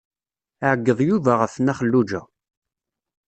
Iɛeggeḍ Yuba ɣef Nna Xelluǧa.